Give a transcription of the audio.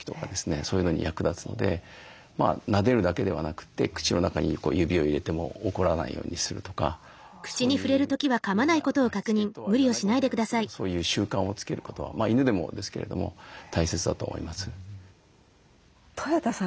そういうのに役立つのでなでるだけではなくて口の中に指を入れても怒らないようにするとかそういうようなしつけとは言わないかもしれないですけどそういう習慣をつけることは犬でもですけれども大切だと思います。